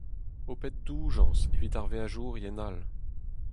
Ho pet doujañs evit ar veajourien all.